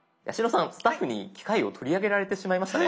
さんスタッフに機械を取り上げられてしまいましたね？